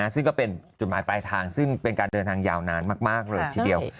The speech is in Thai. ซึ่งก็เป็นจุดหมายปลายทางซึ่งเป็นการเดินทางยาวนานมากเลยทีเดียว